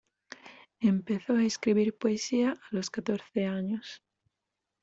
Empezó a escribir poesía a los catorce años.